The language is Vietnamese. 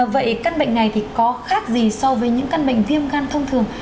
vậy căn bệnh này thì có khác gì so với những căn bệnh viêm gan thông thường